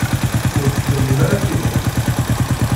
Ur d-tennim ara tidet.